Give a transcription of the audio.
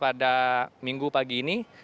pada minggu pagi ini